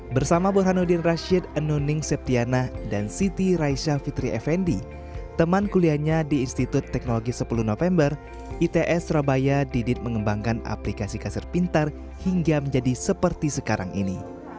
bersama burhanuddin rashid anuning septiana dan siti raisha fitri effendi teman kuliahnya di institut teknologi sepuluh november its surabaya didit mengembangkan aplikasi kaset pintar hingga menjadi seperti sekarang ini